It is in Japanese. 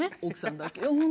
奥さんだけよ